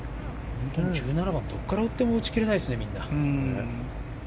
本当、１７番はどこから打っても打ち切れないですね、みんな。